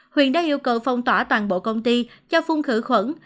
huyện đã yêu cầu phong tỏa toàn bộ công ty cho phun khử khuẩn